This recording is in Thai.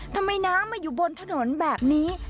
ทำไมน้ำมาอยู่บนถนนแบบนี้